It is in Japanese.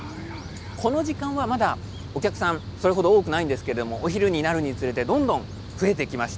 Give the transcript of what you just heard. この時間はまだお客さんそれ程、多くはないんですがお昼になるにつれてどんどん増えていきます。